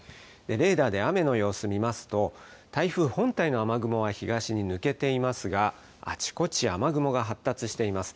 レーダーで雨の様子見ますと、台風本体の雨雲は東に抜けていますが、あちこち雨雲が発達しています。